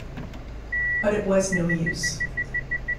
But it was no use.